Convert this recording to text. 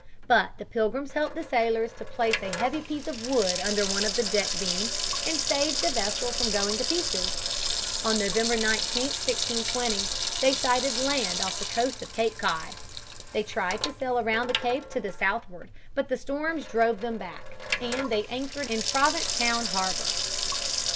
But the Pilgrims helped the sailors to place a heavy piece of wood under one of the deck beams and saved the vessel from going to pieces. On November 19, 1620, they sighted land off the coast of Cape Cod. They tried to sail around the cape to the southward, but storms drove them back, and they anchored in Provincetown harbor.